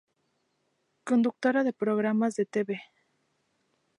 Conductora de programas de tv.